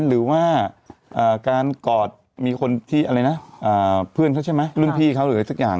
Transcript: หรือว่าการกอดมีคนที่อะไรนะเพื่อนเขาใช่ไหมรุ่นพี่เขาหรืออะไรสักอย่าง